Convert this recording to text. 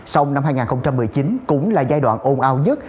sông năm hai nghìn một mươi chín cũng là giai đoạn ồn ào nhất